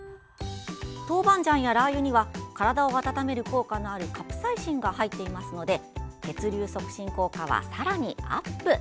トウバンジャンやラー油には体を温める効果のあるカプサイシンが入っていますので血流促進効果は、さらにアップ！